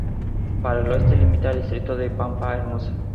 Por el oeste limita con el distrito de Pampa Hermosa.